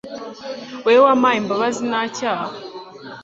Wowe wampaye imbabazi nta cyaha